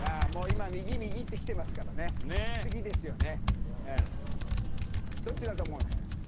右右ってきてますからね次ですよね。